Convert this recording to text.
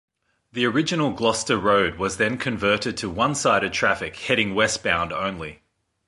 The original Gloucester Road was then converted to one sided traffic heading westbound only.